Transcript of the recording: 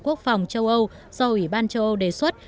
quốc phòng châu âu do ủy ban châu âu đề xuất